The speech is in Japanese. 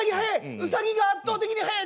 ウサギが圧倒的に速い！